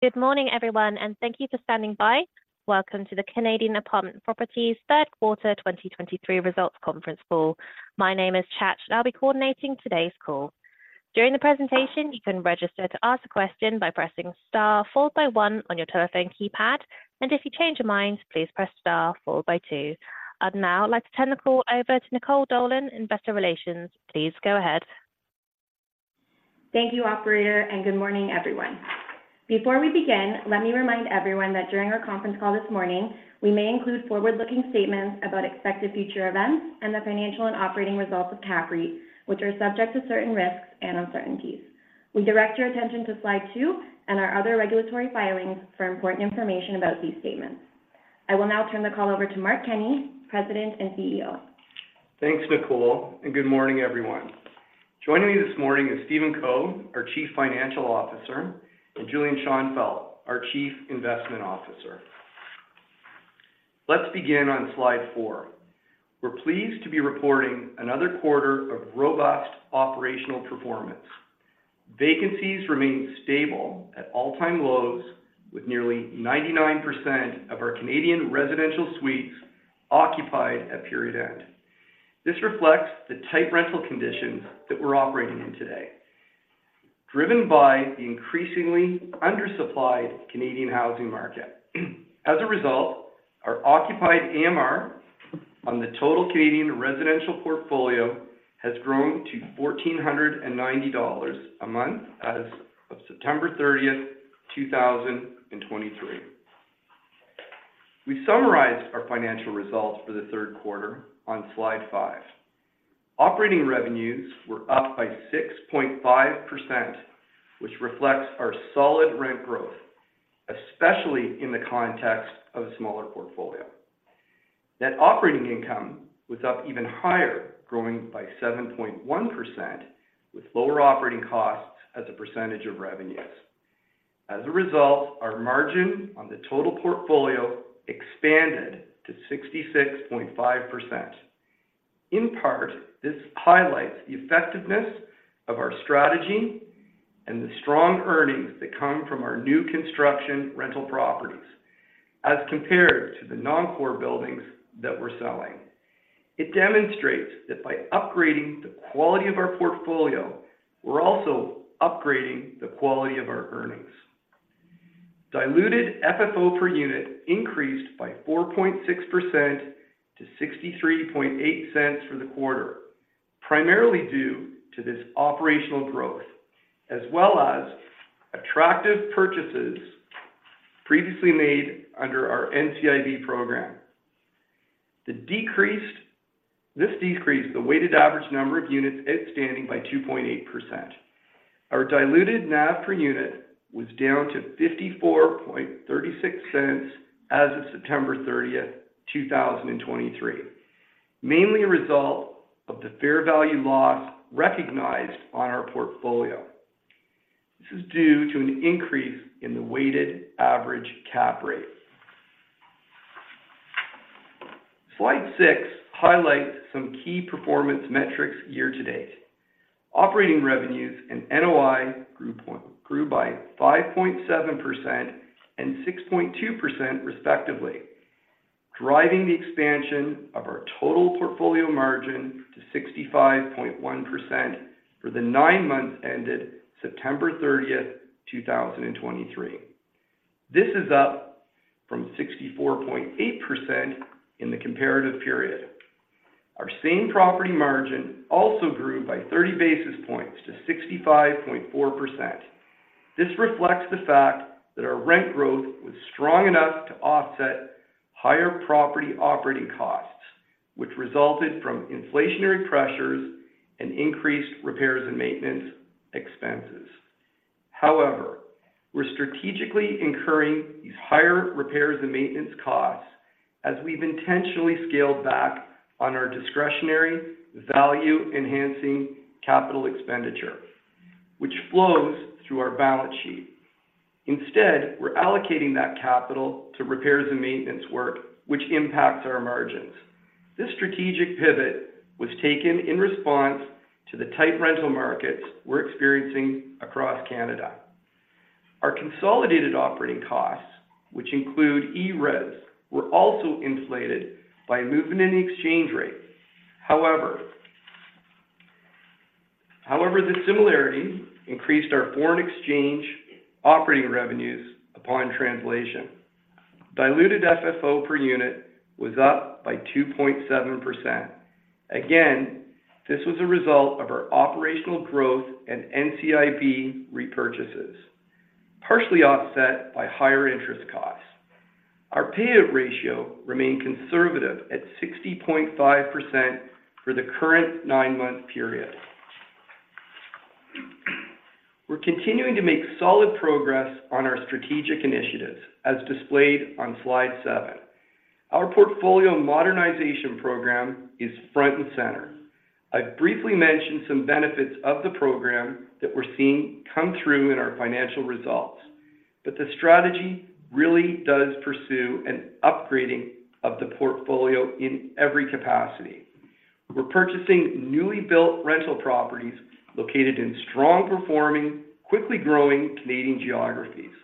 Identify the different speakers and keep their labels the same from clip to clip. Speaker 1: Good morning, everyone, and thank you for standing by. Welcome to the Canadian Apartment Properties third quarter 2023 results conference call. My name is Chad, and I'll be coordinating today's call. During the presentation, you can register to ask a question by pressing star followed by one on your telephone keypad, and if you change your mind, please press star followed by two. I'd now like to turn the call over to Nicole Dolan, Investor Relations. Please go ahead.
Speaker 2: Thank you, operator, and good morning, everyone. Before we begin, let me remind everyone that during our conference call this morning, we may include forward-looking statements about expected future events and the financial and operating results of CAPREIT, which are subject to certain risks and uncertainties. We direct your attention to slide two and our other regulatory filings for important information about these statements. I will now turn the call over to Mark Kenney, President and CEO.
Speaker 3: Thanks, Nicole, and good morning, everyone. Joining me this morning is Stephen Co, our Chief Financial Officer, and Julian Schonfeldt, our Chief Investment Officer. Let's begin on slide four. We're pleased to be reporting another quarter of robust operational performance. Vacancies remain stable at all-time lows, with nearly 99% of our Canadian residential suites occupied at period end. This reflects the tight rental conditions that we're operating in today, driven by the increasingly undersupplied Canadian housing market. As a result, our occupied AMR on the total Canadian residential portfolio has grown to 1,490 dollars a month as of September 30, 2023. We summarized our financial results for the third quarter on slide five. Operating revenues were up by 6.5%, which reflects our solid rent growth, especially in the context of a smaller portfolio. Net operating income was up even higher, growing by 7.1%, with lower operating costs as a percentage of revenues. As a result, our margin on the total portfolio expanded to 66.5%. In part, this highlights the effectiveness of our strategy and the strong earnings that come from our new construction rental properties as compared to the non-core buildings that we're selling. It demonstrates that by upgrading the quality of our portfolio, we're also upgrading the quality of our earnings. Diluted FFO per unit increased by 4.6% to 0.638 for the quarter, primarily due to this operational growth, as well as attractive purchases previously made under our NCIB program. This decreased the weighted average number of units outstanding by 2.8%. Our diluted NAV per unit was down to 54.36 as of September 30, 2023, mainly a result of the fair value loss recognized on our portfolio. This is due to an increase in the weighted average cap rate. Slide 6 highlights some key performance metrics year to date. Operating revenues and NOI grew by 5.7% and 6.2%, respectively, driving the expansion of our total portfolio margin to 65.1% for the 9 months ended September 30, 2023. This is up from 64.8% in the comparative period. Our same property margin also grew by 30 basis points to 65.4%. This reflects the fact that our rent growth was strong enough to offset higher property operating costs, which resulted from inflationary pressures and increased repairs and maintenance expenses. However, we're strategically incurring these higher repairs and maintenance costs as we've intentionally scaled back on our discretionary value-enhancing capital expenditure, which flows through our balance sheet. Instead, we're allocating that capital to repairs and maintenance work, which impacts our margins. This strategic pivot was taken in response to the tight rental markets we're experiencing across Canada. Our consolidated operating costs, which include ERES, were also inflated by a movement in the exchange rate. However, the similarity increased our foreign exchange operating revenues upon translation. Diluted FFO per unit was up by 2.7%. Again, this was a result of our operational growth and NCIB repurchases, partially offset by higher interest costs. Our payout ratio remained conservative at 60.5% for the current nine-month period. We're continuing to make solid progress on our strategic initiatives, as displayed on slide seven. Our portfolio modernization program is front and center. I've briefly mentioned some benefits of the program that we're seeing come through in our financial results, but the strategy really does pursue an upgrading of the portfolio in every capacity... We're purchasing newly built rental properties located in strong-performing, quickly growing Canadian geographies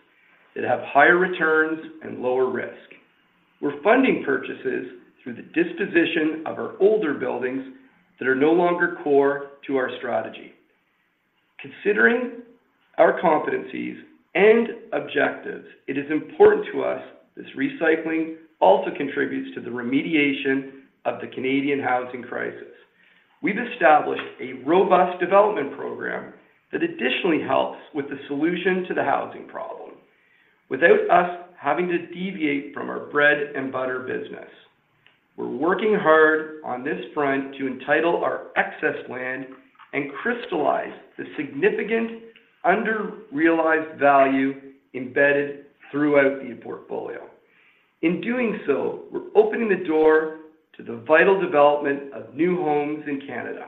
Speaker 3: that have higher returns and lower risk. We're funding purchases through the disposition of our older buildings that are no longer core to our strategy. Considering our competencies and objectives, it is important to us this recycling also contributes to the remediation of the Canadian housing crisis. We've established a robust development program that additionally helps with the solution to the housing problem, without us having to deviate from our bread-and-butter business. We're working hard on this front to entitle our excess land and crystallize the significant under-realized value embedded throughout the portfolio. In doing so, we're opening the door to the vital development of new homes in Canada.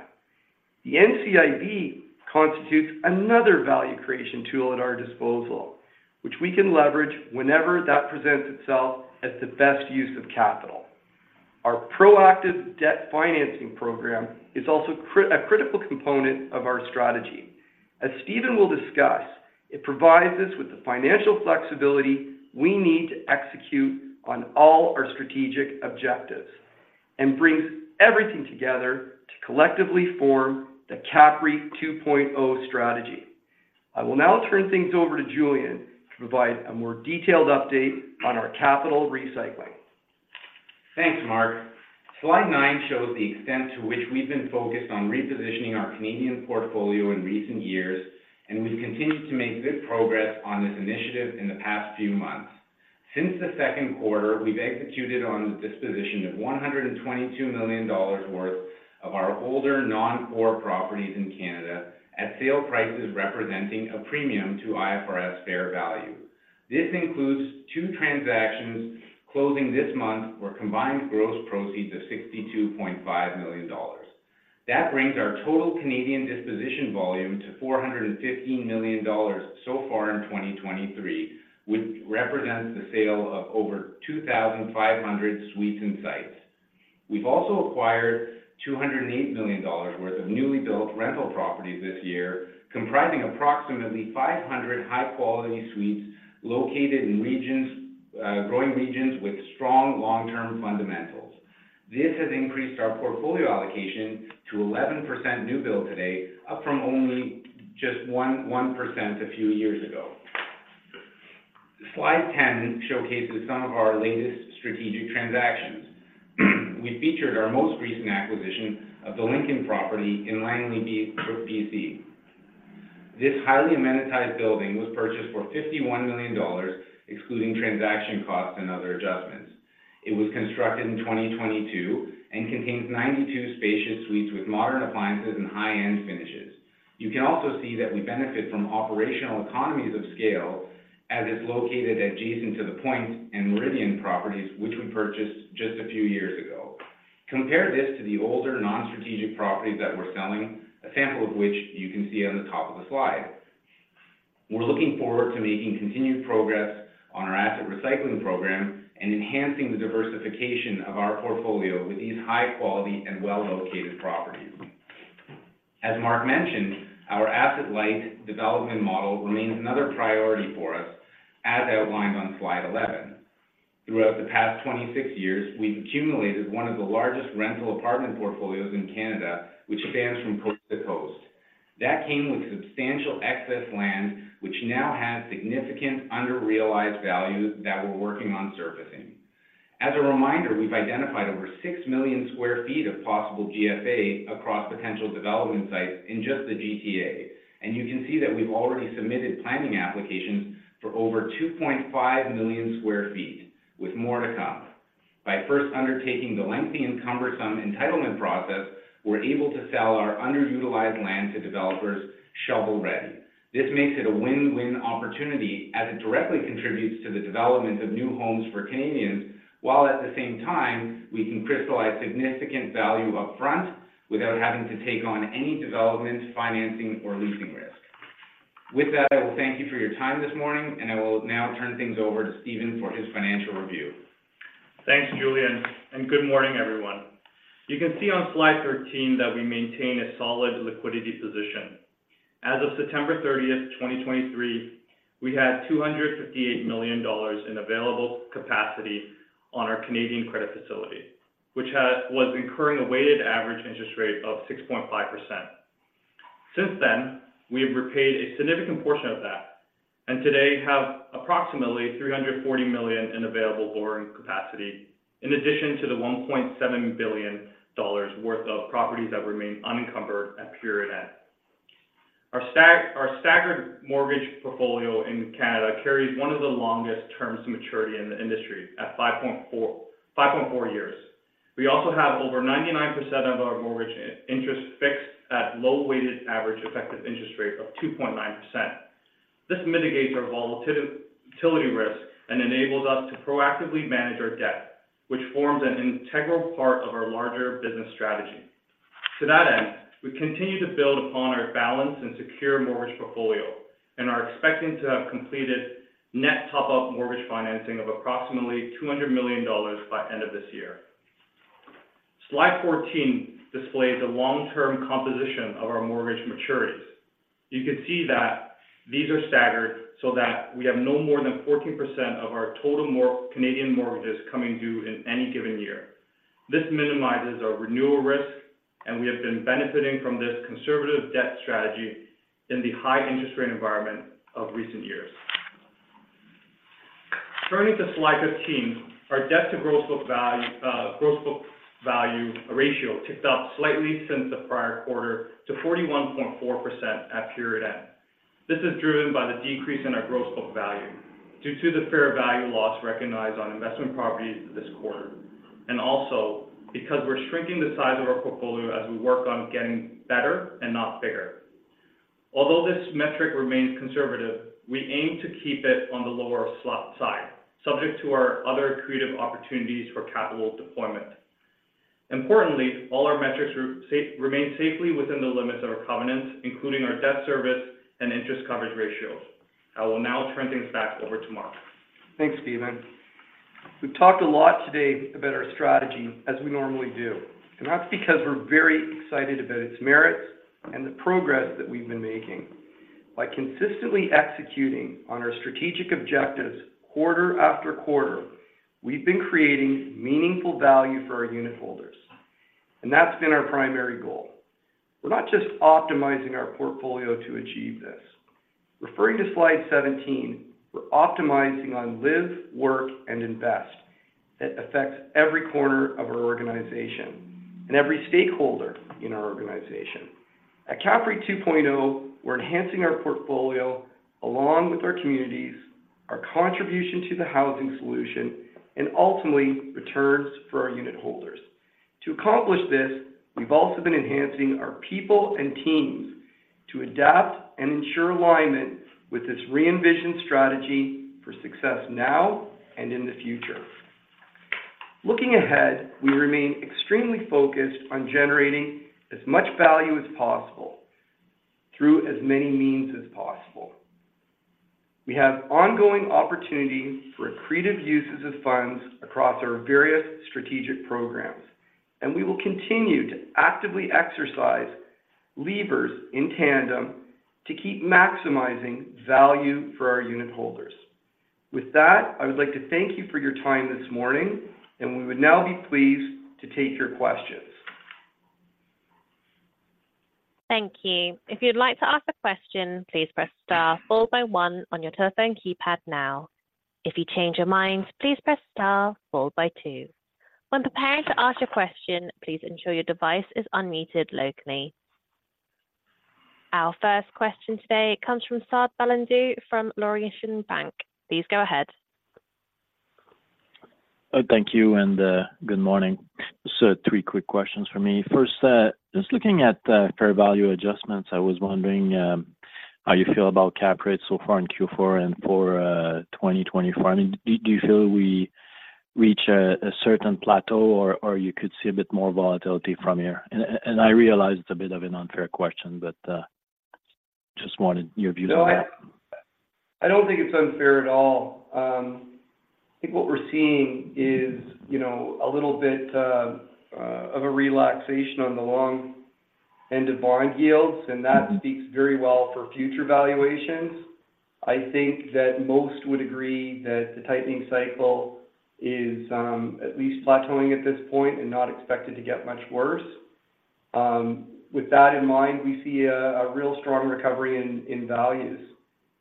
Speaker 3: The NCIB constitutes another value creation tool at our disposal, which we can leverage whenever that presents itself as the best use of capital. Our proactive debt financing program is also a critical component of our strategy. As Steven will discuss, it provides us with the financial flexibility we need to execute on all our strategic objectives, and brings everything together to collectively form the CAPREIT 2.0 strategy. I will now turn things over to Julian to provide a more detailed update on our capital recycling.
Speaker 4: Thanks, Mark. Slide nine shows the extent to which we've been focused on repositioning our Canadian portfolio in recent years, and we've continued to make good progress on this initiative in the past few months. Since the second quarter, we've executed on the disposition of 122 million dollars worth of our older, non-core properties in Canada, at sale prices representing a premium to IFRS fair value. This includes two transactions closing this month, where combined gross proceeds of 62.5 million dollars. That brings our total Canadian disposition volume to 450 million dollars so far in 2023, which represents the sale of over 2,500 suites and sites. We've also acquired 208 million dollars worth of newly built rental properties this year, comprising approximately 500 high-quality suites located in regions, growing regions with strong long-term fundamentals. This has increased our portfolio allocation to 11% new build today, up from only just one, one percent a few years ago. Slide 10 showcases some of our latest strategic transactions. We featured our most recent acquisition of the Lincoln property in Langley, BC. This highly amenitized building was purchased for 51 million dollars, excluding transaction costs and other adjustments. It was constructed in 2022 and contains 92 spacious suites with modern appliances and high-end finishes. You can also see that we benefit from operational economies of scale, as it's located adjacent to the Point and Meridian properties, which we purchased just a few years ago. Compare this to the older, non-strategic properties that we're selling, a sample of which you can see on the top of the slide. We're looking forward to making continued progress on our asset recycling program and enhancing the diversification of our portfolio with these high-quality and well-located properties. As Mark mentioned, our asset-light development model remains another priority for us, as outlined on slide 11. Throughout the past 26 years, we've accumulated one of the largest rental apartment portfolios in Canada, which spans from coast to coast. That came with substantial excess land, which now has significant under-realized values that we're working on surfacing. As a reminder, we've identified over 6 million sq ft of possible GFA across potential development sites in just the GTA, and you can see that we've already submitted planning applications for over 2.5 million sq ft, with more to come. By first undertaking the lengthy and cumbersome entitlement process, we're able to sell our underutilized land to developers, shovel-ready. This makes it a win-win opportunity, as it directly contributes to the development of new homes for Canadians, while at the same time, we can crystallize significant value upfront without having to take on any development, financing, or leasing risk. With that, I will thank you for your time this morning, and I will now turn things over to Steven for his financial review.
Speaker 5: Thanks, Julian, and good morning, everyone. You can see on slide 13 that we maintain a solid liquidity position. As of September 30, 2023, we had 258 million dollars in available capacity on our Canadian credit facility, which was incurring a weighted average interest rate of 6.5%. Since then, we have repaid a significant portion of that, and today have approximately 340 million in available borrowing capacity, in addition to 1.7 billion dollars worth of properties that remain unencumbered at pure net. Our staggered mortgage portfolio in Canada carries one of the longest terms to maturity in the industry at 5.4 years. We also have over 99% of our mortgage interest fixed at low weighted average effective interest rate of 2.9%. This mitigates our volatility risk and enables us to proactively manage our debt, which forms an integral part of our larger business strategy. To that end, we continue to build upon our balanced and secure mortgage portfolio, and are expecting to have completed net top-up mortgage financing of approximately 200 million dollars by end of this year. Slide 14 displays the long-term composition of our mortgage maturities. You can see that these are staggered so that we have no more than 14% of our total mort- Canadian mortgages coming due in any given year. This minimizes our renewal risk, and we have been benefiting from this conservative debt strategy in the high interest rate environment of recent years. Turning to slide 15, our debt to gross book value, gross book value ratio ticked up slightly since the prior quarter to 41.4% at period end. This is driven by the decrease in our gross book value due to the fair value loss recognized on investment properties this quarter, and also because we're shrinking the size of our portfolio as we work on getting better and not bigger. Although this metric remains conservative, we aim to keep it on the lower slot side, subject to our other accretive opportunities for capital deployment. Importantly, all our metrics remain safely within the limits of our covenants, including our debt service and interest coverage ratios. I will now turn things back over to Mark.
Speaker 3: Thanks, Steven. We've talked a lot today about our strategy, as we normally do, and that's because we're very excited about its merits and the progress that we've been making. By consistently executing on our strategic objectives quarter after quarter, we've been creating meaningful value for our unitholders, and that's been our primary goal. We're not just optimizing our portfolio to achieve this. Referring to slide 17, we're optimizing on live, work, and invest. It affects every corner of our organization and every stakeholder in our organization. At CAPREIT 2.0, we're enhancing our portfolio, along with our communities, our contribution to the housing solution, and ultimately, returns for our unitholders. To accomplish this, we've also been enhancing our people and teams to adapt and ensure alignment with this re-envisioned strategy for success now and in the future. Looking ahead, we remain extremely focused on generating as much value as possible through as many means as possible. We have ongoing opportunities for accretive uses of funds across our various strategic programs, and we will continue to actively exercise levers in tandem to keep maximizing value for our unitholders. With that, I would like to thank you for your time this morning, and we would now be pleased to take your questions.
Speaker 1: Thank you. If you'd like to ask a question, please press star followed by one on your telephone keypad now. If you change your mind, please press star followed by two. When preparing to ask a question, please ensure your device is unmuted locally. Our first question today comes from Fred Blondeau from Laurentian Bank. Please go ahead.
Speaker 6: Thank you, and good morning. So three quick questions for me. First, just looking at the fair value adjustments, I was wondering, how you feel about cap rates so far in Q4 and for, 2024? I mean, do, do you feel we reach a, a certain plateau, or, or you could see a bit more volatility from here? And, and I realize it's a bit of an unfair question, but, just wanted your view on that.
Speaker 3: No, I don't think it's unfair at all. I think what we're seeing is, you know, a little bit of a relaxation on the long end of bond yields, and that speaks very well for future valuations. I think that most would agree that the tightening cycle is at least plateauing at this point and not expected to get much worse. With that in mind, we see a real strong recovery in values.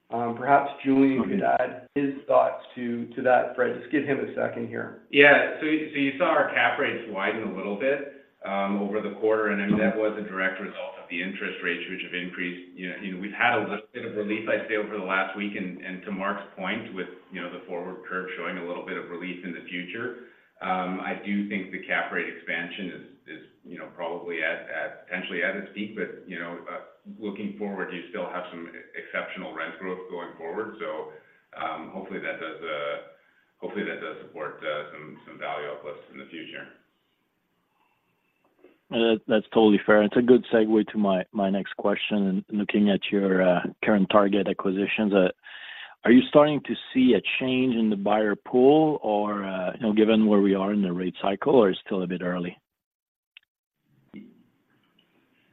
Speaker 3: Perhaps Julian could add his thoughts to that, Fred. Just give him a second here.
Speaker 4: Yeah. So you saw our cap rates widen a little bit over the quarter, and that was a direct result of the interest rates, which have increased. You know, we've had a little bit of relief, I'd say, over the last week, and to Mark's point, with the forward curve showing a little bit of relief in the future. I do think the cap rate expansion is, you know, probably at potentially at its peak, but, you know, looking forward, you still have some exceptional rent growth going forward. So, hopefully, that does support some value uplift in the future.
Speaker 6: That's totally fair. It's a good segue to my, my next question. Looking at your current target acquisitions, are you starting to see a change in the buyer pool or, you know, given where we are in the rate cycle, or it's still a bit early?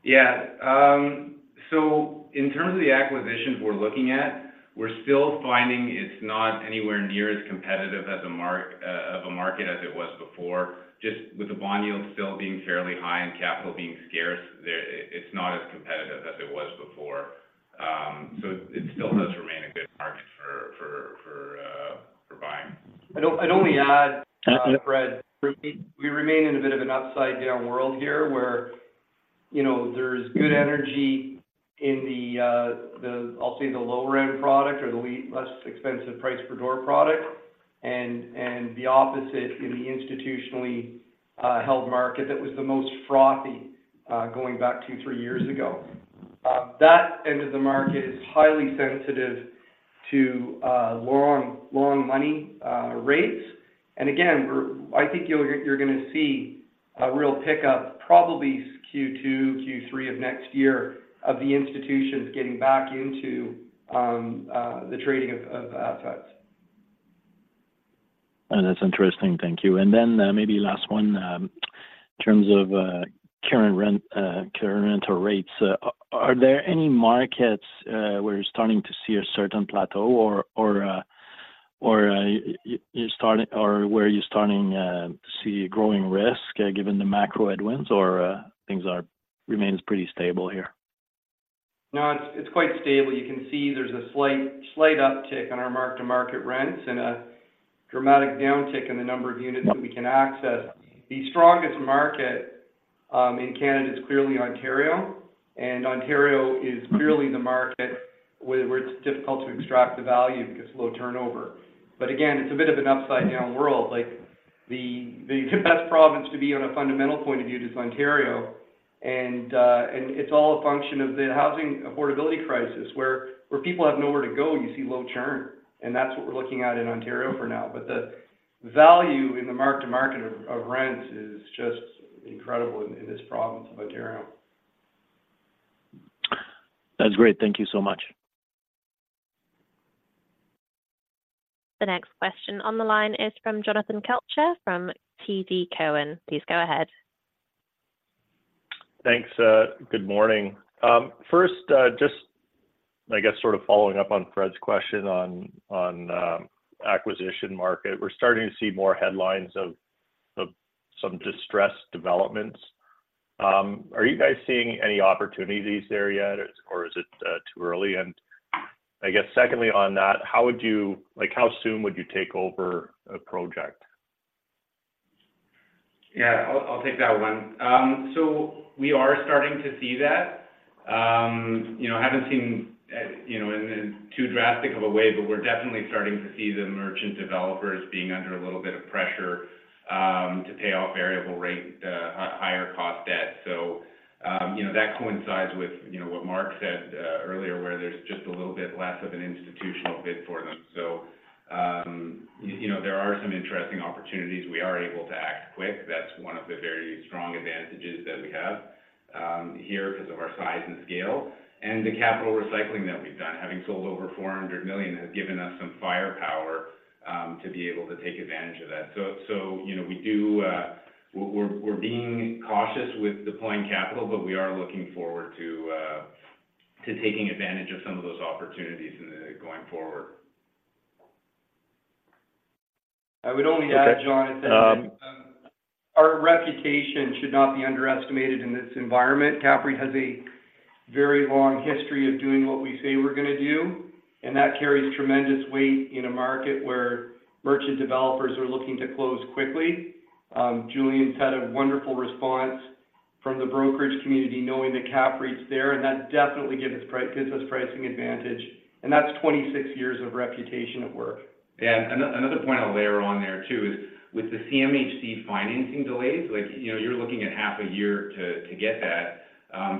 Speaker 4: Yeah. So in terms of the acquisitions we're looking at, we're still finding it's not anywhere near as competitive as a market as it was before. Just with the bond yields still being fairly high and capital being scarce, it's not as competitive as it was before. So it still does remain a good market for buying.
Speaker 3: I'd only add,
Speaker 6: Yeah
Speaker 3: Fred, we remain in a bit of an upside-down world here, where, you know, there's good energy in the, the, I'll say, the lower-end product or the least less expensive price per door product, and the opposite in the institutionally held market that was the most frothy going back two, three years ago. That end of the market is highly sensitive to long money rates. And again, we're I think you'll, you're gonna see a real pickup, probably Q2, Q3 of next year, of the institutions getting back into the trading of assets.
Speaker 6: That's interesting. Thank you. Then, maybe last one, in terms of current rent, current rental rates, are there any markets where you're starting to see a certain plateau or where you're starting to see a growing risk, given the macro headwinds or things remain pretty stable here?
Speaker 3: No, it's quite stable. You can see there's a slight uptick in our mark-to-market rents and a dramatic downtick in the number of units that we can access. The strongest market in Canada is clearly Ontario, and Ontario is clearly the market where it's difficult to extract the value because low turnover. But again, it's a bit of an upside-down world. Like, the best province to be on a fundamental point of view is Ontario, and it's all a function of the housing affordability crisis, where people have nowhere to go, you see low churn, and that's what we're looking at in Ontario for now. But the value in the mark-to-market of rents is just incredible in this province of Ontario.
Speaker 6: That's great. Thank you so much.
Speaker 1: The next question on the line is from Jonathan Kelcher, from TD Cowen. Please go ahead.
Speaker 7: Thanks. Good morning. First, just, I guess, sort of following up on Fred's question on, on, acquisition market. We're starting to see more headlines of, of some distressed developments. Are you guys seeing any opportunities there yet, or is it, too early? And I guess secondly on that, how would you—like, how soon would you take over a project?
Speaker 4: Yeah, I'll take that one. So we are starting to see that. You know, I haven't seen, you know, in too drastic of a way, but we're definitely starting to see the merchant developers being under a little bit of pressure to pay off variable rate higher-cost debt. So, you know, that coincides with, you know, what Mark said earlier, where there's just a little bit less of an institutional bid for them. So, you know, there are some interesting opportunities. We are able to act quick. That's one of the very strong advantages that we have here because of our size and scale. And the capital recycling that we've done, having sold over 400 million, has given us some firepower to be able to take advantage of that. So, you know, we're being cautious with deploying capital, but we are looking forward to taking advantage of some of those opportunities in the... going forward.
Speaker 3: I would only add, Jonathan, our reputation should not be underestimated in this environment. CAPREIT has a very long history of doing what we say we're gonna do, and that carries tremendous weight in a market where merchant developers are looking to close quickly. Julian's had a wonderful response from the brokerage community, knowing that CAPREIT's there, and that definitely gives us pricing advantage, and that's 26 years of reputation at work.
Speaker 4: Another point I'll layer on there, too, is with the CMHC financing delays, like, you know, you're looking at half a year to get that.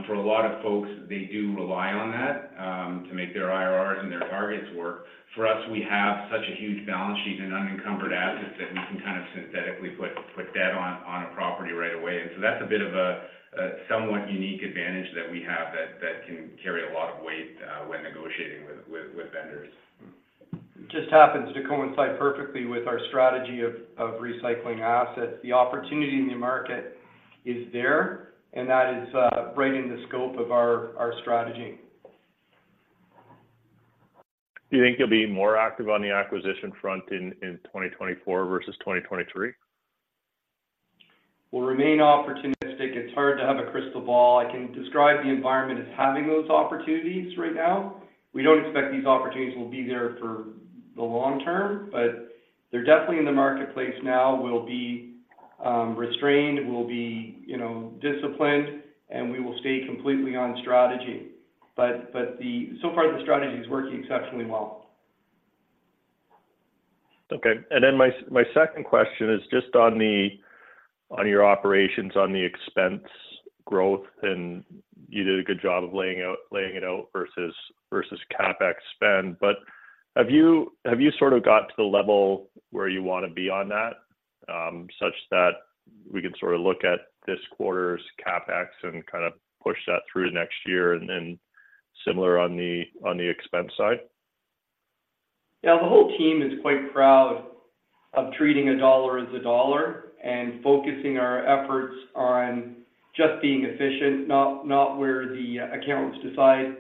Speaker 4: For a lot of folks, they do rely on that to make their IRRs and their targets work. For us, we have such a huge balance sheet in unencumbered assets that we can kind of synthetically put debt on a property right away. And so that's a bit of a somewhat unique advantage that we have that can carry a lot of weight when negotiating with vendors.
Speaker 3: It just happens to coincide perfectly with our strategy of recycling assets. The opportunity in the market is there, and that is right in the scope of our strategy.
Speaker 7: Do you think you'll be more active on the acquisition front in 2024 versus 2023?
Speaker 3: We'll remain opportunistic. It's hard to have a crystal ball. I can describe the environment as having those opportunities right now. We don't expect these opportunities will be there for the long term, but they're definitely in the marketplace now. We'll be restrained, we'll be, you know, disciplined, and we will stay completely on strategy. But so far, the strategy is working exceptionally well.
Speaker 7: Okay. And then my second question is just on your operations, on the expense growth, and you did a good job of laying out—laying it out versus CapEx spend. But have you sort of got to the level where you want to be on that, such that we can sort of look at this quarter's CapEx and kind of push that through next year and similar on the expense side?
Speaker 3: Yeah, the whole team is quite proud of treating a dollar as a dollar and focusing our efforts on just being efficient, not where the accountants decide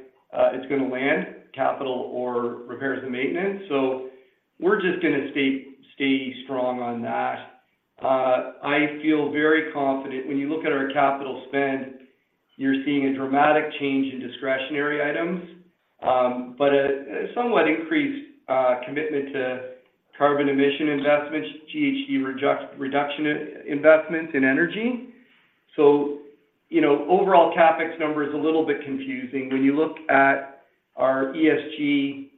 Speaker 3: it's going to land, capital or repairs and maintenance. So we're just going to stay strong on that. I feel very confident. When you look at our capital spend, you're seeing a dramatic change in discretionary items, but a somewhat increased commitment to carbon emission investments, GHG reduction investments in energy. So, you know, overall CapEx number is a little bit confusing. When you look at our ESG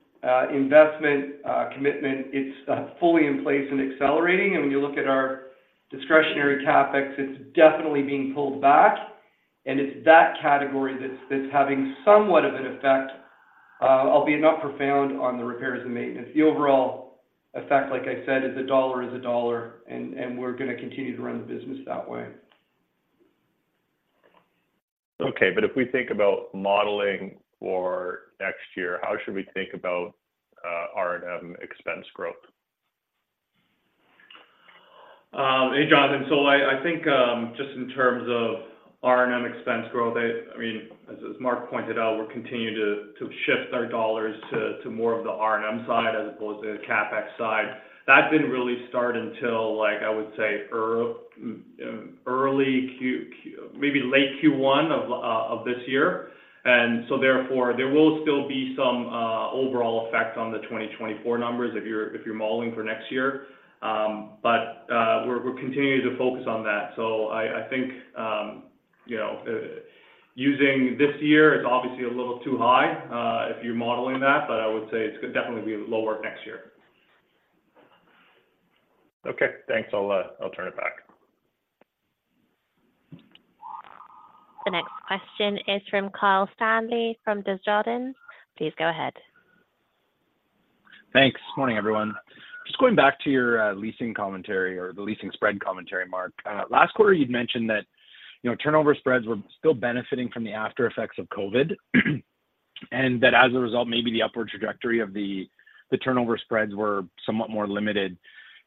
Speaker 3: investment commitment, it's fully in place and accelerating, and when you look at our discretionary CapEx, it's definitely being pulled back.... and it's that category that's having somewhat of an effect, albeit not profound on the repairs and maintenance. The overall effect, like I said, is a dollar is a dollar, and we're going to continue to run the business that way.
Speaker 7: Okay, but if we think about modeling for next year, how should we think about R&M expense growth?
Speaker 5: Hey, Jonathan. So I think just in terms of R&M expense growth, I mean, as Mark pointed out, we're continuing to shift our dollars to more of the R&M side as opposed to the CapEx side. That didn't really start until, like, I would say, early maybe late Q1 of this year. And so therefore, there will still be some overall effect on the 2024 numbers if you're modeling for next year. But we're continuing to focus on that. So I think you know using this year is obviously a little too high if you're modeling that, but I would say it's going to definitely be lower next year.
Speaker 7: Okay, thanks. I'll turn it back.
Speaker 1: The next question is from Kyle Stanley from Desjardins. Please go ahead.
Speaker 8: Thanks. Morning, everyone. Just going back to your leasing commentary or the leasing spread commentary, Mark. Last quarter, you'd mentioned that, you know, turnover spreads were still benefiting from the aftereffects of COVID. And that as a result, maybe the upward trajectory of the turnover spreads were somewhat more limited.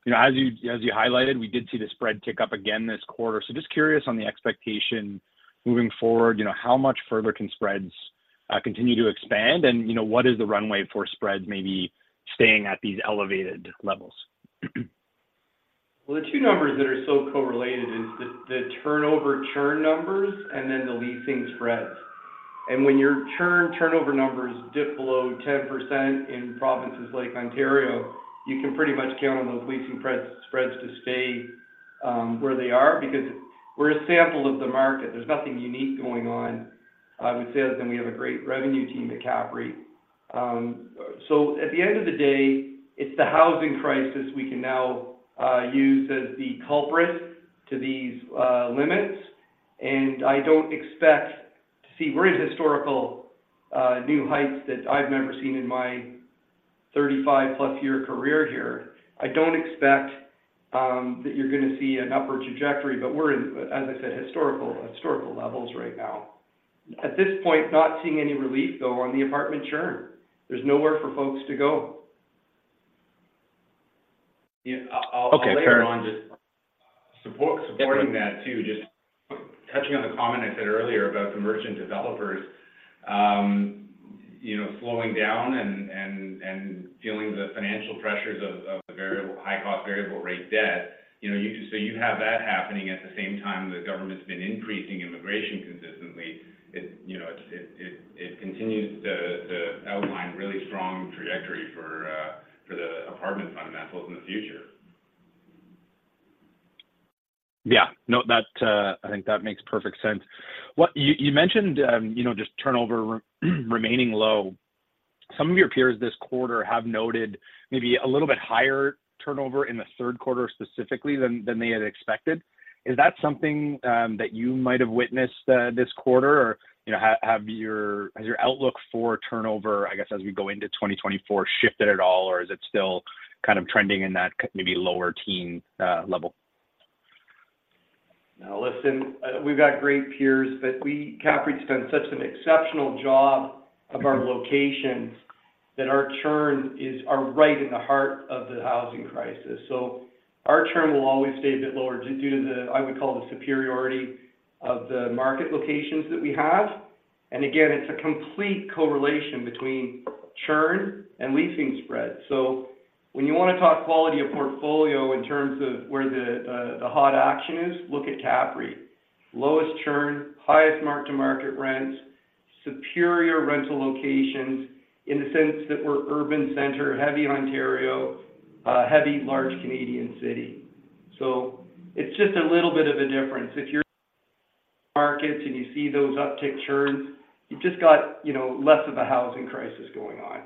Speaker 8: You know, as you highlighted, we did see the spread tick up again this quarter. So just curious on the expectation moving forward, you know, how much further can spreads continue to expand? And, you know, what is the runway for spreads maybe staying at these elevated levels?
Speaker 3: Well, the two numbers that are so correlated is the turnover churn numbers and then the leasing spreads. When your churn turnover numbers dip below 10% in provinces like Ontario, you can pretty much count on those leasing spreads to stay where they are because we're a sample of the market. There's nothing unique going on. I would say that then we have a great revenue team at CAPREIT. So at the end of the day, it's the housing crisis we can now use as the culprit to these limits, and I don't expect to see we're in historical new heights that I've never seen in my 35+ year career here. I don't expect that you're going to see an upward trajectory, but we're in, as I said, historical levels right now. At this point, not seeing any relief, though, on the apartment churn. There's nowhere for folks to go.
Speaker 8: Yeah, I'll-
Speaker 3: Okay.
Speaker 8: Later on, just support, supporting that, too. Just touching on the comment I said earlier about the merchant developers, you know, slowing down and dealing with the financial pressures of the variable high-cost variable rate debt. You know, so you have that happening at the same time the government's been increasing immigration consistently. It, you know, it continues to outline really strong trajectory for the apartment fundamentals in the future. Yeah. No, that, I think that makes perfect sense. What you mentioned, you know, just turnover remaining low. Some of your peers this quarter have noted maybe a little bit higher turnover in the third quarter, specifically, than they had expected. Is that something that you might have witnessed this quarter? Or, you know, has your outlook for turnover, I guess, as we go into 2024, shifted at all, or is it still kind of trending in that maybe lower teen level?
Speaker 3: Now, listen, we've got great peers, but CAPREIT's done such an exceptional job of our locations that our churn is right in the heart of the housing crisis. So our churn will always stay a bit lower due to the, I would call, the superiority of the market locations that we have. And again, it's a complete correlation between churn and leasing spread. So when you want to talk quality of portfolio in terms of where the hot action is, look at CAPREIT. Lowest churn, highest mark-to-market rents, superior rental locations in the sense that we're urban center, heavy Ontario, heavy large Canadian city. So it's just a little bit of a difference. If you're in markets and you see those uptick churns, you've just got, you know, less of a housing crisis going on.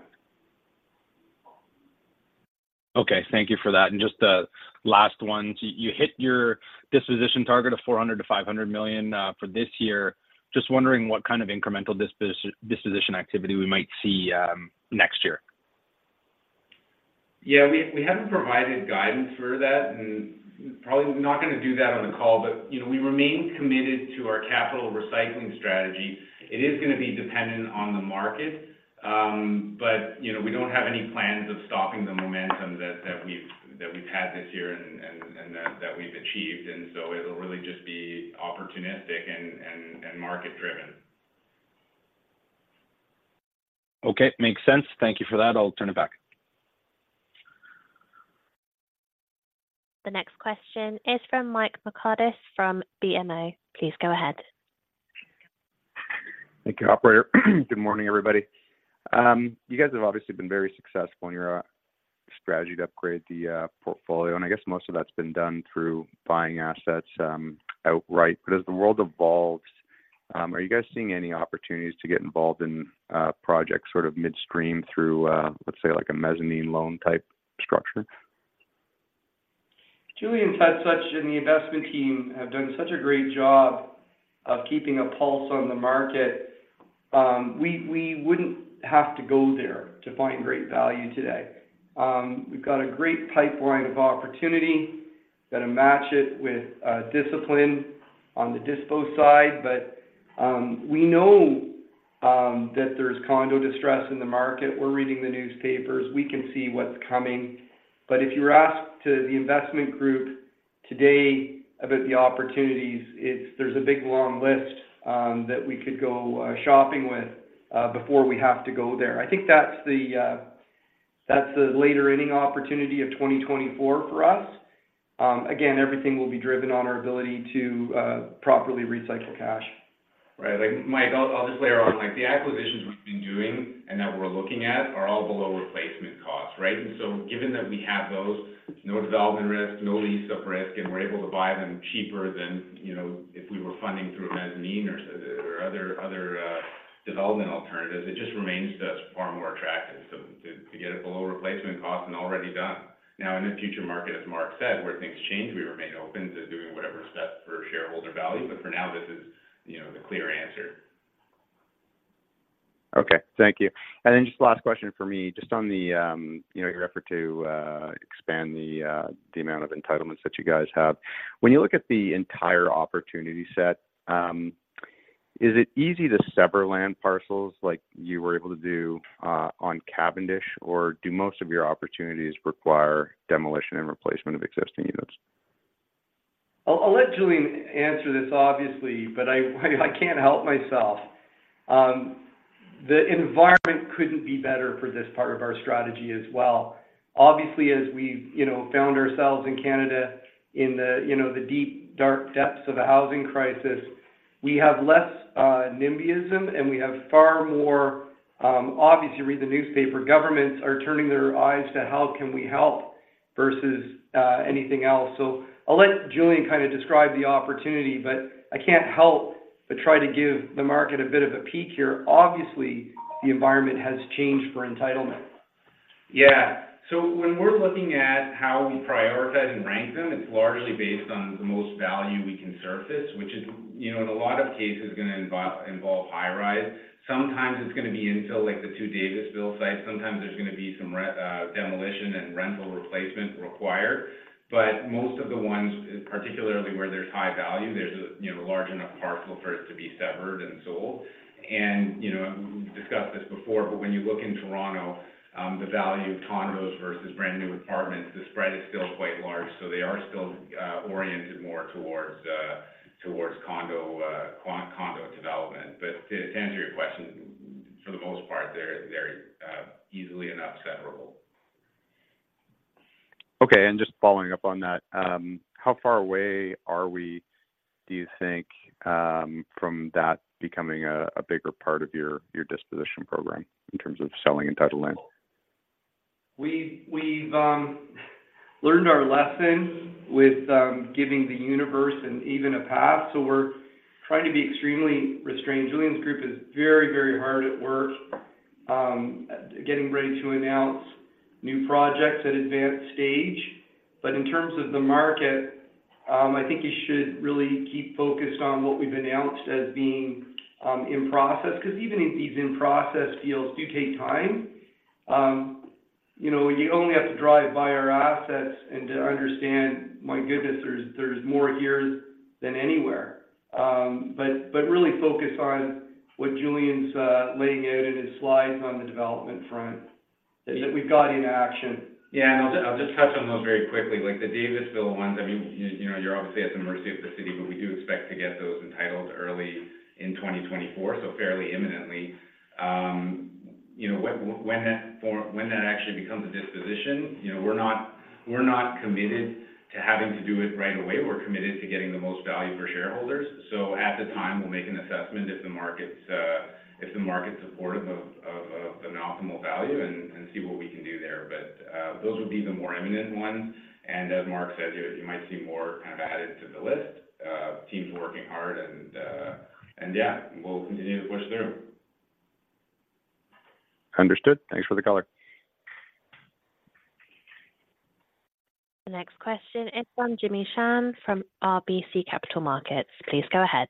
Speaker 8: Okay, thank you for that. Just the last one, you hit your disposition target of 400 million-500 million for this year. Just wondering what kind of incremental disposition activity we might see next year.
Speaker 3: Yeah, we haven't provided guidance for that, and probably not going to do that on the call, but, you know, we remain committed to our capital recycling strategy. It is going to be dependent on the market, but, you know, we don't have any plans of stopping the momentum that we've had this year and that we've achieved. And so it'll really just be opportunistic and market-driven.
Speaker 8: Okay, makes sense. Thank you for that. I'll turn it back.
Speaker 1: The next question is from Mike Markidis, from BMO. Please go ahead.
Speaker 9: Thank you, operator. Good morning, everybody. You guys have obviously been very successful in your strategy to upgrade the portfolio, and I guess most of that's been done through buying assets outright. But as the world evolves, are you guys seeing any opportunities to get involved in projects sort of midstream through, let's say, like a mezzanine loan type structure?...
Speaker 3: Julian had such, and the investment team have done such a great job of keeping a pulse on the market. We wouldn't have to go there to find great value today. We've got a great pipeline of opportunity that'll match it with discipline on the dispo side. But we know that there's condo distress in the market. We're reading the newspapers, we can see what's coming. But if you were asked to the investment group today about the opportunities, it's-- there's a big, long list that we could go shopping with before we have to go there. I think that's the, that's the later inning opportunity of 2024 for us. Again, everything will be driven on our ability to properly recycle cash.
Speaker 4: Right. Like, Mike, I'll just layer on, like, the acquisitions we've been doing and that we're looking at are all below replacement costs, right? And so given that we have those, no development risk, no lease up risk, and we're able to buy them cheaper than, you know, if we were funding through a mezzanine or other development alternatives, it just remains to us far more attractive. So to get it below replacement cost and already done. Now, in the future market, as Mark said, where things change, we remain open to doing whatever's best for shareholder value. But for now, this is, you know, the clear answer.
Speaker 9: Okay, thank you. And then just last question for me, just on the, you know, your effort to expand the amount of entitlements that you guys have. When you look at the entire opportunity set, is it easy to sever land parcels like you were able to do, on Cavendish? Or do most of your opportunities require demolition and replacement of existing units?
Speaker 3: I'll let Julian answer this, obviously, but I can't help myself. The environment couldn't be better for this part of our strategy as well. Obviously, as we, you know, found ourselves in Canada in the, you know, the deep, dark depths of a housing crisis, we have less nimbyism, and we have far more, obviously, you read the newspaper, governments are turning their eyes to how can we help versus anything else. So I'll let Julian kind of describe the opportunity, but I can't help but try to give the market a bit of a peek here. Obviously, the environment has changed for entitlement.
Speaker 4: Yeah. So when we're looking at how we prioritize and rank them, it's largely based on the most value we can surface, which is, you know, in a lot of cases, going to involve high rise. Sometimes it's going to be infill, like the two Davisville sites. Sometimes there's going to be some demolition and rental replacement required. But most of the ones, particularly where there's high value, there's a, you know, a large enough parcel for it to be severed and sold. And, you know, we've discussed this before, but when you look in Toronto, the value of condos versus brand-new apartments, the spread is still quite large, so they are still oriented more towards towards condo condo development. But to answer your question, for the most part, they're easily enough severable.
Speaker 9: Okay. Just following up on that, how far away are we, do you think, from that becoming a bigger part of your disposition program in terms of selling entitlement?
Speaker 3: We've learned our lesson with giving the universe an even a path, so we're trying to be extremely restrained. Julian's group is very, very hard at work getting ready to announce new projects at advanced stage. But in terms of the market, I think you should really keep focused on what we've announced as being in process, because even in these in-process deals do take time. You know, you only have to drive by our assets and to understand, my goodness, there's more here than anywhere. But really focus on what Julian's laying out in his slides on the development front, that we've got in action.
Speaker 4: Yeah, and I'll just touch on those very quickly. Like the Davisville ones, I mean, you know, you're obviously at the mercy of the city, but we do expect to get those entitled early in 2024, so fairly imminently. You know, when that actually becomes a disposition, you know, we're not committed to having to do it right away. We're committed to getting the most value for shareholders. So at the time, we'll make an assessment if the market's supportive of an optimal value and see what we can do there. But those would be the more imminent ones. And as Mark said, you might see more kind of added to the list. Teams are working hard and yeah, we'll continue to push through.
Speaker 9: Understood. Thanks for the color.
Speaker 1: The next question is from Jimmy Shan from RBC Capital Markets. Please go ahead.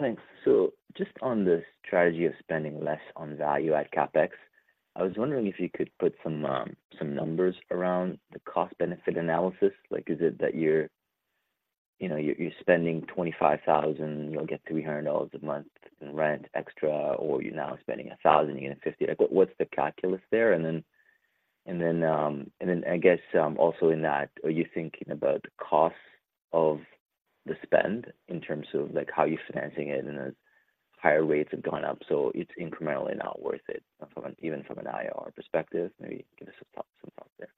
Speaker 10: Thanks. So just on the strategy of spending less on value at CapEx, I was wondering if you could put some numbers around the cost-benefit analysis. Like, is it that you're, you know, you're spending 25,000, you'll get 300 dollars a month in rent extra, or you're now spending 1,000, you get 50? Like, what's the calculus there? And then, I guess, also in that, are you thinking about costs of the spend in terms of, like, how you're financing it, and the higher rates have gone up, so it's incrementally not worth it from an even from an IR perspective? Maybe give us some thought there.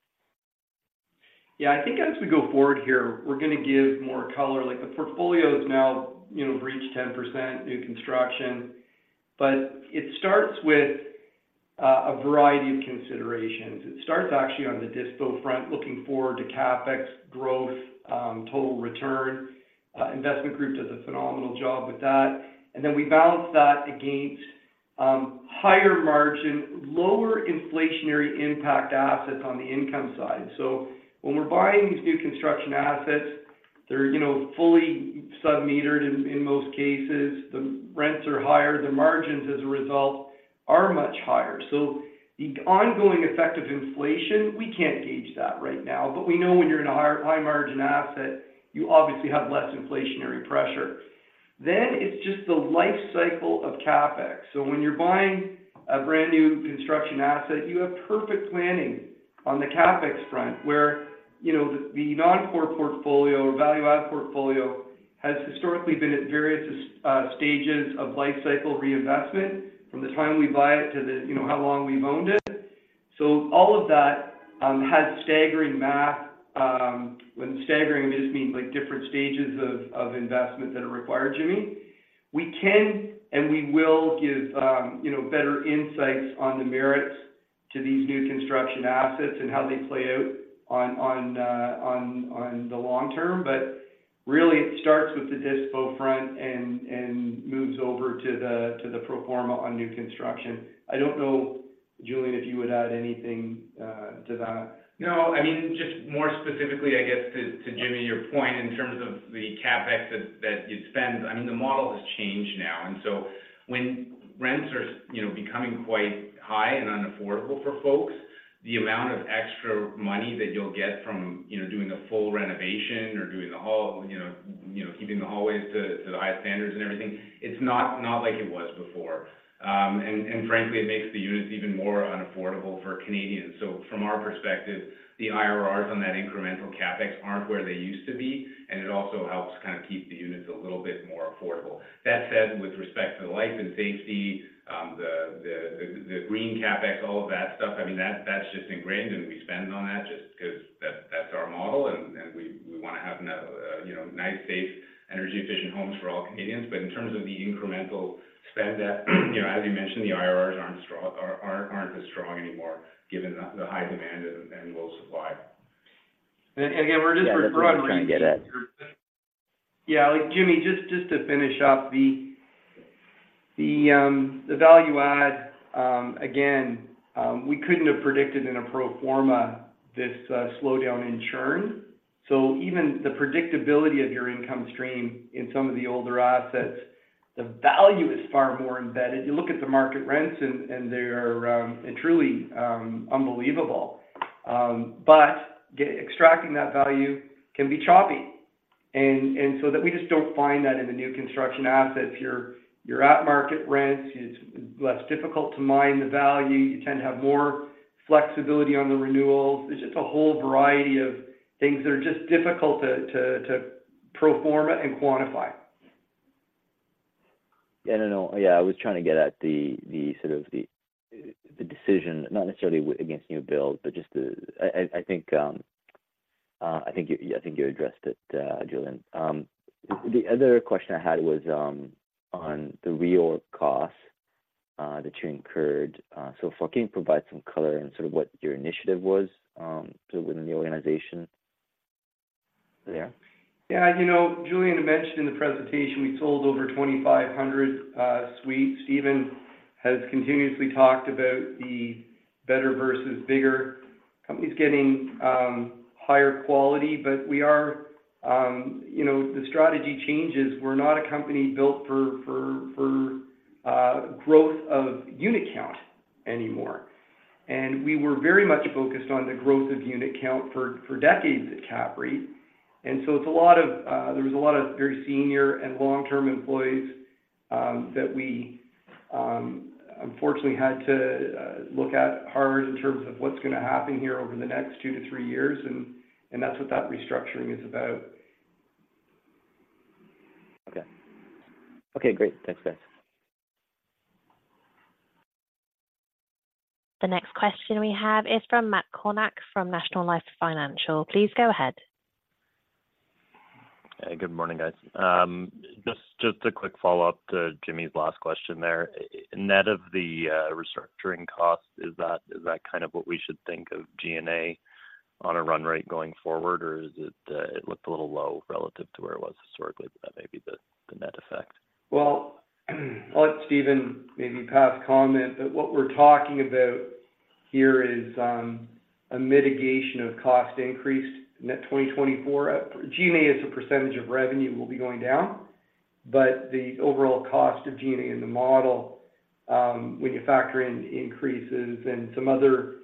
Speaker 3: Yeah, I think as we go forward here, we're going to give more color. Like, the portfolio is now, you know, reached 10% new construction, but it starts with a variety of considerations. It starts actually on the dispo front for the CapEx growth, total return. Investment group does a phenomenal job with that. And then we balance that against higher margin, lower inflationary impact assets on the income side. So when we're buying these new construction assets, they're, you know, fully sub-metered in, in most cases. The rents are higher, the margins as a result, are much higher. So the ongoing effect of inflation, we can't gauge that right now, but we know when you're in a high, high margin asset, you obviously have less inflationary pressure. Then it's just the life cycle of CapEx. So when you're buying a brand new construction asset, you have perfect planning on the CapEx front, where, you know, the, the non-core portfolio or value-add portfolio has historically been at various stages of life cycle reinvestment, from the time we buy it to the, you know, how long we've owned it. So all of that has staggering math. When staggering just means, like, different stages of investment that are required, Jimmy. We can and we will give you know, better insights on the merits to these new construction assets and how they play out on the long term. But really, it starts with the dispo front and moves over to the pro forma on new construction. I don't know, Julian, if you would add anything to that.
Speaker 4: No, I mean, just more specifically, I guess, to Jimmy, your point in terms of the CapEx that you spend. I mean, the model has changed now, and so when rents are, you know, becoming quite high and unaffordable for folks, the amount of extra money that you'll get from, you know, doing a full renovation or doing the hallways, you know, keeping the hallways to the highest standards and everything, it's not like it was before. And frankly, it makes the units even more unaffordable for Canadians. So from our perspective, the IRRs on that incremental CapEx aren't where they used to be, and it also helps kind of keep the units a little bit more affordable. That said, with respect to the life and safety, the green CapEx, all of that stuff, I mean, that's just ingrained, and we spend on that just 'cause that's our model, and we wanna have a, you know, nice, safe, energy-efficient homes for all Canadians. But in terms of the incremental spend that, you know, as you mentioned, the IRRs aren't strong-- aren't as strong anymore, given the high demand and low supply.
Speaker 3: And again, we're just referring-
Speaker 10: Yeah, that's what I was trying to get at.
Speaker 3: Yeah, like, Jimmy, just, just to finish up. The value add, again, we couldn't have predicted in a pro forma this slowdown in churn. So even the predictability of your income stream in some of the older assets, the value is far more embedded. You look at the market rents and, and they are truly unbelievable. But extracting that value can be choppy. And, and so that we just don't find that in the new construction assets. You're, you're at market rents, it's less difficult to mine the value. You tend to have more flexibility on the renewals. It's just a whole variety of things that are just difficult to pro forma and quantify.
Speaker 10: Yeah, no, no. Yeah, I was trying to get at the sort of decision, not necessarily against new build, but just the... I think you addressed it, Julian. The other question I had was on the reorg cost that you incurred. So can you provide some color in sort of what your initiative was, so within the organization there?
Speaker 3: Yeah. You know, Julian mentioned in the presentation, we sold over 2,500 suites. Steven has continuously talked about the better versus bigger. Company's getting higher quality, but we are, you know, the strategy changes. We're not a company built for growth of unit count anymore. And we were very much focused on the growth of unit count for decades at CAPREIT. And so it's a lot of, there was a lot of very senior and long-term employees that we unfortunately had to look at hard in terms of what's gonna happen here over the next two to three years. And that's what that restructuring is about.
Speaker 10: Okay. Okay, great. Thanks, guys.
Speaker 1: The next question we have is from Matt Kornack, from National Bank Financial. Please go ahead.
Speaker 11: Good morning, guys. Just a quick follow-up to Jimmy's last question there. Net of the restructuring cost, is that kind of what we should think of G&A on a run rate going forward, or is it, it looked a little low relative to where it was historically, but that may be the net effect?
Speaker 3: Well, I'll let Steven maybe pass comment, but what we're talking about here is, a mitigation of cost increase net 2024. G&A, as a percentage of revenue, will be going down, but the overall cost of G&A in the model, when you factor in increases and some other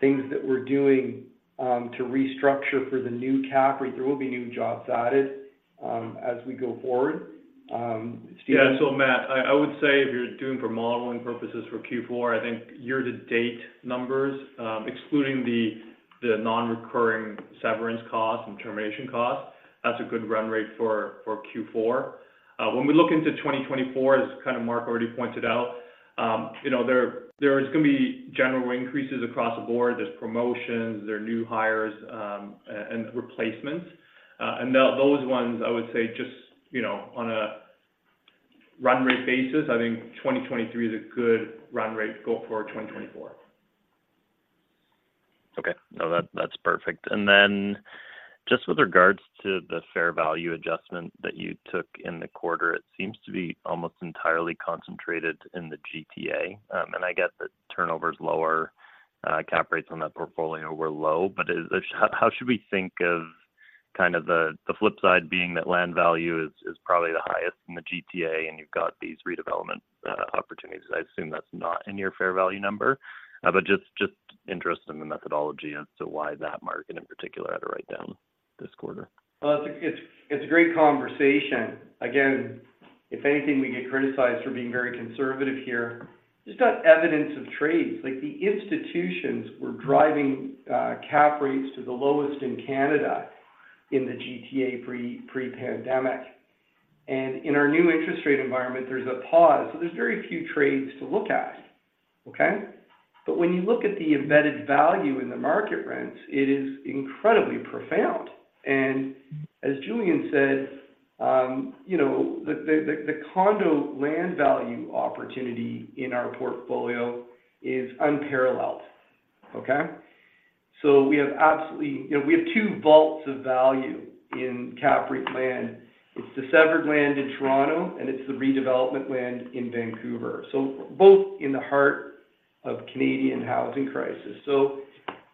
Speaker 3: things that we're doing, to restructure for the new CAPREIT, there will be new jobs added, as we go forward. Steven?
Speaker 5: Yeah. So Matt, I would say if you're doing for modeling purposes for Q4, I think year-to-date numbers, excluding the non-recurring severance costs and termination costs, that's a good run rate for Q4. When we look into 2024, as kind of Mark already pointed out, you know, there is gonna be general increases across the board. There's promotions, there are new hires, and replacements. And those ones, I would say just, you know, on ah... run rate basis, I think 2023 is a good run rate goal for 2024.
Speaker 11: Okay. No, that, that's perfect. And then just with regards to the fair value adjustment that you took in the quarter, it seems to be almost entirely concentrated in the GTA. And I get that turnover is lower, cap rates on that portfolio were low. But how should we think of kind of the flip side being that land value is probably the highest in the GTA, and you've got these redevelopment opportunities? I assume that's not in your fair value number, but just interested in the methodology as to why that market in particular had a write down this quarter.
Speaker 3: Well, it's a great conversation. Again, if anything, we get criticized for being very conservative here. Just got evidence of trades, like the institutions were driving cap rates to the lowest in Canada in the GTA pre-pandemic. And in our new interest rate environment, there's a pause, so there's very few trades to look at. Okay? But when you look at the embedded value in the market rents, it is incredibly profound. And as Julian said, you know, the condo land value opportunity in our portfolio is unparalleled, okay? So we have absolutely, you know, we have two vaults of value in cap rate land. It's the severed land in Toronto, and it's the redevelopment land in Vancouver, so both in the heart of Canadian housing crisis.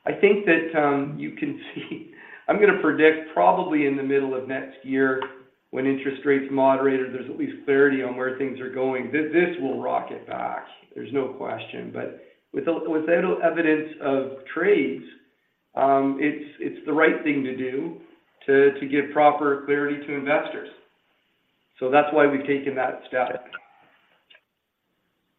Speaker 3: I think that, you can see, I'm gonna predict probably in the middle of next year, when interest rates moderated, there's at least clarity on where things are going. This will rocket back, there's no question. But without evidence of trades, it's the right thing to do to give proper clarity to investors. So that's why we've taken that step.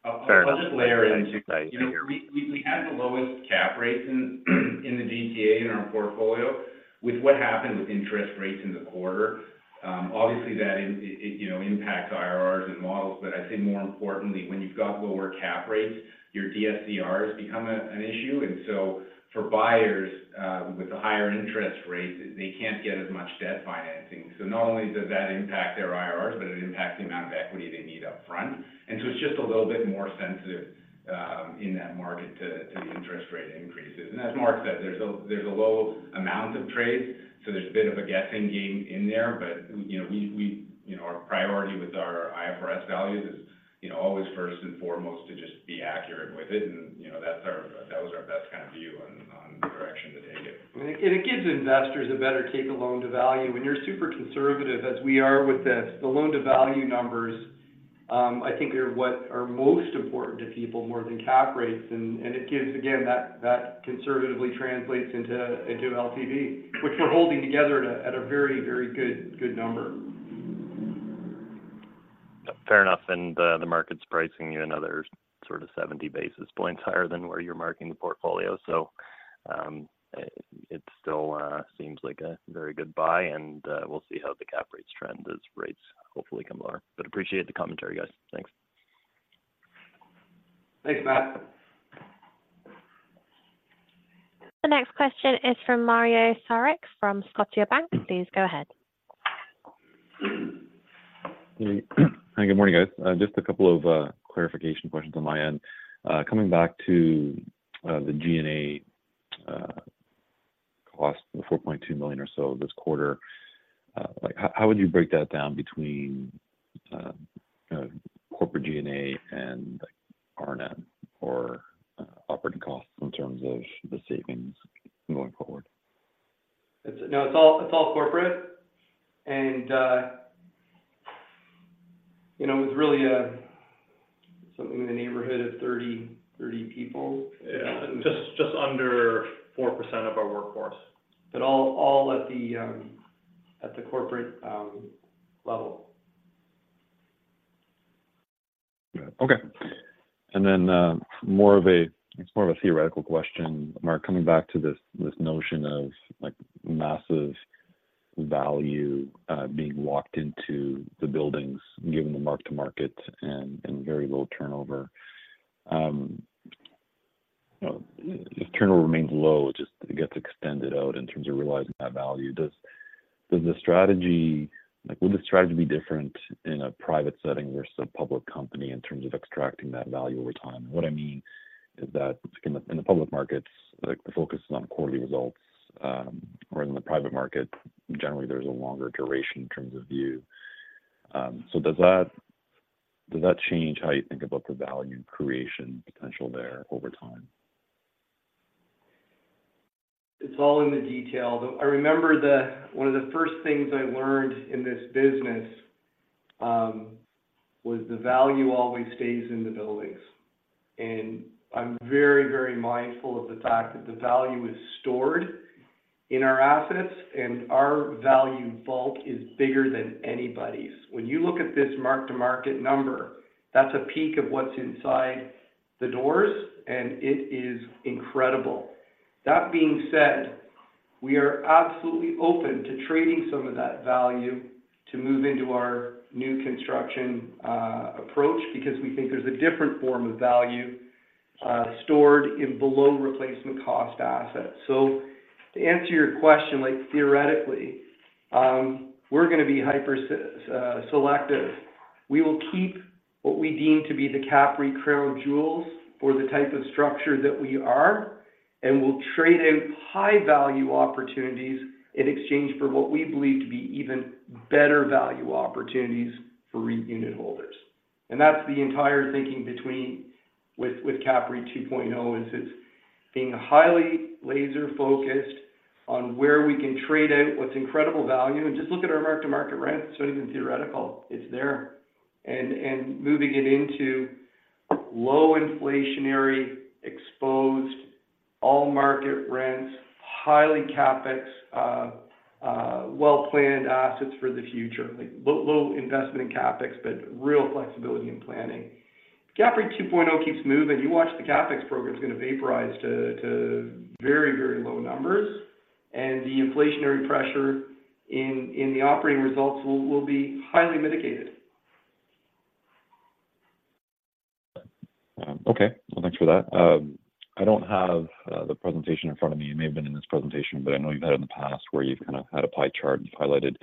Speaker 4: I'll just layer in, too. You know, we had the lowest cap rates in the GTA, in our portfolio. With what happened with interest rates in the quarter, obviously, that it you know impacts IRRs and models. But I'd say more importantly, when you've got lower cap rates, your DSCRs become an issue. And so for buyers, with the higher interest rates, they can't get as much debt financing. So not only does that impact their IRRs, but it impacts the amount of equity they need upfront. And so it's just a little bit more sensitive, in that market to the interest rate increases. And as Mark said, there's a low amount of trade, so there's a bit of a guessing game in there. You know, our priority with our IFRS values is, you know, always first and foremost to just be accurate with it. You know, that was our best kind of view on the direction to take it.
Speaker 3: It gives investors a better take on loan-to-value. When you're super conservative, as we are with this, the loan-to-value numbers, I think, are what are most important to people more than cap rates. And it gives, again, that conservatively translates into LTV, which we're holding together at a very good number.
Speaker 11: Fair enough, and the market's pricing you another sort of 70 basis points higher than where you're marking the portfolio. So, it still seems like a very good buy, and we'll see how the cap rates trend as rates hopefully come lower. But appreciate the commentary, guys. Thanks.
Speaker 3: Thanks, Matt.
Speaker 1: The next question is from Mario Saric from Scotiabank. Please go ahead.
Speaker 12: Hi, good morning, guys. Just a couple of clarification questions on my end. Coming back to the G&A cost, the 4.2 million or so this quarter, like, how would you break that down between corporate G&A and like R&M or operating costs in terms of the savings going forward?
Speaker 3: No, it's all. It's all corporate. And, you know, it's really something in the neighborhood of 30, 30 people.
Speaker 4: Yeah. Just under 4% of our workforce.
Speaker 3: But all at the corporate level.
Speaker 12: Yeah. Okay. And then, more of a, it's more of a theoretical question, Mark, coming back to this notion of, like, massive value being locked into the buildings, given the mark-to-market and very low turnover. You know, if turnover remains low, just it gets extended out in terms of realizing that value. Does the strategy, like, will the strategy be different in a private setting versus a public company in terms of extracting that value over time? What I mean is that, in the public markets, like, the focus is on quarterly results, whereas in the private market, generally, there's a longer duration in terms of view. So does that change how you think about the value creation potential there over time?
Speaker 3: It's all in the detail. Though I remember one of the first things I learned in this business was the value always stays in the buildings. And I'm very, very mindful of the fact that the value is stored in our assets, and our value book is bigger than anybody's. When you look at this mark-to-market number, that's a peak of what's inside the doors, and it is incredible. That being said, we are absolutely open to trading some of that value to move into our new construction approach, because we think there's a different form of value stored in below replacement cost assets. So to answer your question, like, theoretically, we're going to be hyper, so, selective. We will keep what we deem to be the CAPREIT crown jewels for the type of structure that we are, and we'll trade out high-value opportunities in exchange for what we believe to be even better value opportunities for REIT unit holders. That's the entire thinking between, with, with CAPREIT 2.0, is it's being highly laser-focused on where we can trade out what's incredible value. Just look at our mark-to-market rent. It's not even theoretical, it's there. Moving it into low inflationary, exposed, all market rents, highly CapEx, well-planned assets for the future. Like, little investment in CapEx, but real flexibility in planning. CAPREIT 2.0 keeps moving. You watch the CapEx program, it's going to vaporize to very, very low numbers, and the inflationary pressure in the operating results will be highly mitigated.
Speaker 12: Okay. Well, thanks for that. I don't have the presentation in front of me. It may have been in this presentation, but I know you've had it in the past, where you've kind of had a pie chart, and you've highlighted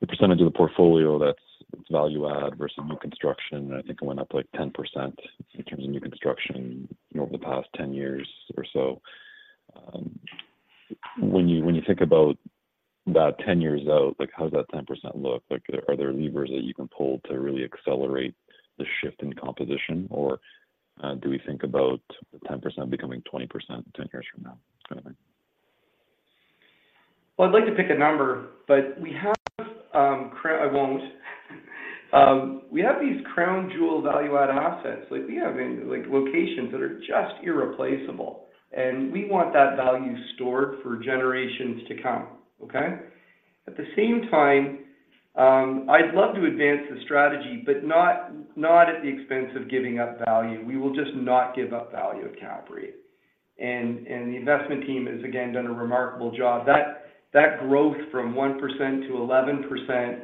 Speaker 12: the percentage of the portfolio that's, it's value add versus new construction. I think it went up, like, 10% in terms of new construction over the past 10 years or so. When you, when you think about that 10 years out, like, how does that 10% look? Like, are there levers that you can pull to really accelerate the shift in composition, or, do we think about the 10% becoming 20% in 10 years from now kind of thing?
Speaker 3: Well, I'd like to pick a number, but we have these crown jewel value-add assets. Like, we have in, like, locations that are just irreplaceable, and we want that value stored for generations to come, okay? At the same time, I'd love to advance the strategy, but not, not at the expense of giving up value. We will just not give up value at CAPREIT. And, and the investment team has again, done a remarkable job. That, that growth from 1%-11%,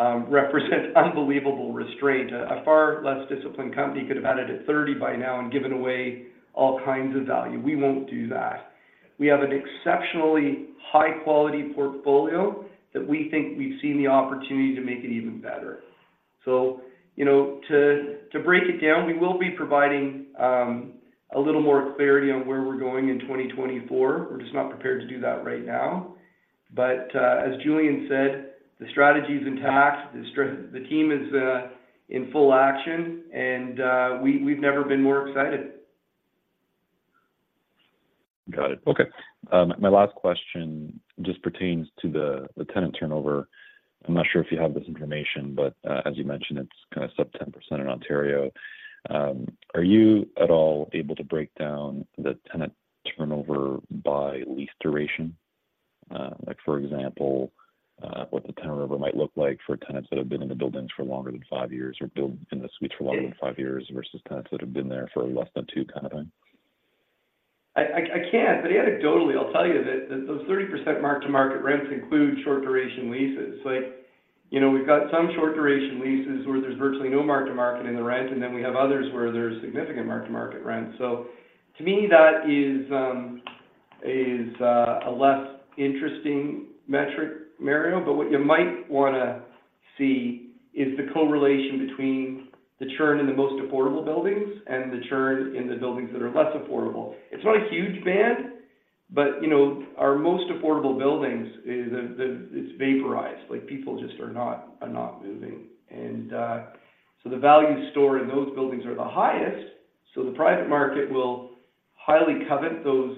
Speaker 3: represents unbelievable restraint. A, a far less disciplined company could have had it at 30 by now and given away all kinds of value. We won't do that. We have an exceptionally high-quality portfolio that we think we've seen the opportunity to make it even better. So, you know, to break it down, we will be providing a little more clarity on where we're going in 2024. We're just not prepared to do that right now. But as Julian said, the strategy is intact. The team is in full action, and we, we've never been more excited.
Speaker 12: Got it. Okay. My last question just pertains to the tenant turnover. I'm not sure if you have this information, but as you mentioned, it's kind of sub 10% in Ontario. Are you at all able to break down the tenant turnover by lease duration? Like, for example, what the tenant turnover might look like for tenants that have been in the buildings for longer than five years or in the suites for longer than five years versus tenants that have been there for less than two, kind of thing?
Speaker 3: I can't, but anecdotally, I'll tell you that those 30% mark-to-market rents include short-duration leases. Like, you know, we've got some short-duration leases where there's virtually no mark to market in the rent, and then we have others where there's significant mark-to-market rents. So to me, that is a less interesting metric, Mario, but what you might wanna see is the correlation between the churn in the most affordable buildings and the churn in the buildings that are less affordable. It's not a huge band, but, you know, our most affordable buildings is, it's vaporized. Like, people just are not moving. And so the value stored in those buildings are the highest, so the private market will highly covet those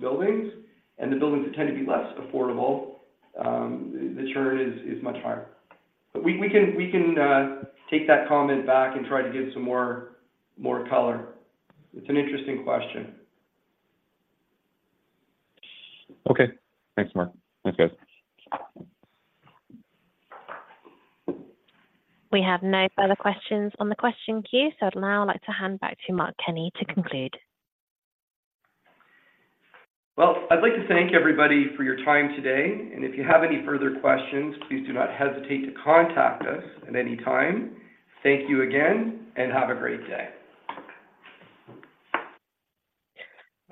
Speaker 3: buildings, and the buildings that tend to be less affordable, the churn is much higher. But we can take that comment back and try to give some more color. It's an interesting question.
Speaker 12: Okay. Thanks, Mark. Thanks, guys.
Speaker 1: We have no further questions on the question queue, so I'd now like to hand back to Mark Kenney to conclude.
Speaker 3: Well, I'd like to thank everybody for your time today, and if you have any further questions, please do not hesitate to contact us at any time. Thank you again, and have a great day.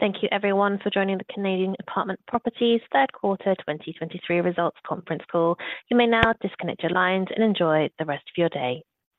Speaker 1: Thank you, everyone, for joining the Canadian Apartment Properties third quarter 2023 results conference call. You may now disconnect your lines and enjoy the rest of your day.